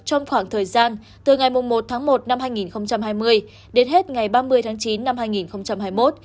trong khoảng thời gian từ ngày một tháng một năm hai nghìn hai mươi đến hết ngày ba mươi tháng chín năm hai nghìn hai mươi một